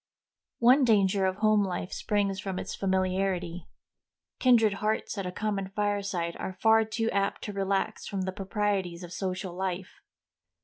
One danger of home life springs from its familiarity. Kindred hearts at a common fireside are far too apt to relax from the proprieties of social life.